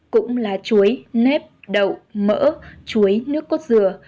cũng là chuối nếp đậu mỡ chuối nước cốt dừa